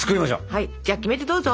はいじゃあキメテどうぞ！